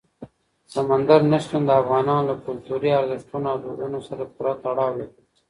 سمندر نه شتون د افغانانو له کلتوري ارزښتونو او دودونو سره پوره تړاو لري.